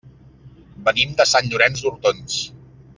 Venim de Sant Llorenç d'Hortons.